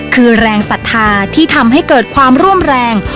คือแรงศรัทธาที่ทำให้เกิดความร่วมแรง